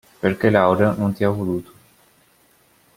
Perché Laura non ti ha voluto.